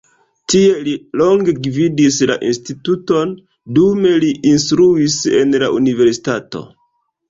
Tie li longe gvidis la instituton, dume li instruis en la universitato.